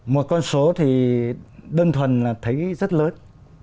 một con số thì đơn thuần là thấy rất lớn